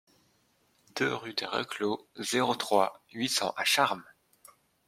deux rue des Reclos, zéro trois, huit cents à Charmes